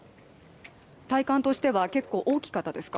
体感としては大きかったですか？